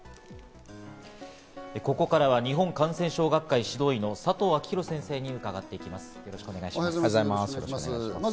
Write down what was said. ここからは日本感染症学会・指導医の佐藤昭裕先生に伺っていきます、よろしくお願いします。